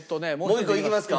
もう一個いきますか？